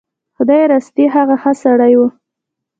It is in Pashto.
خدای راستي هغه ښه سړی و.